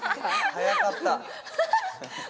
早かった！